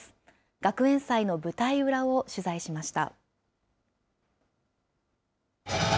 学園祭の舞台裏を取材しました。